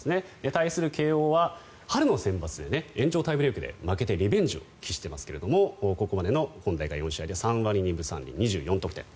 対する慶応は春のセンバツで延長タイブレークで負けてリベンジを喫していますがここまで、今大会４試合で３割２３厘２４得点。